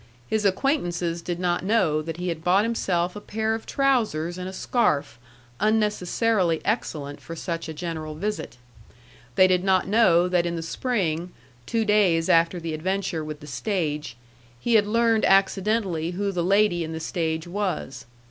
His acquaintances did not know that he had bought himself a pair of trousers and a scarf, unnecessarily excellent for such a general visit. They did not know that in the spring, two days after the adventure with the stage, he had learned accidentally who the lady in the stage was.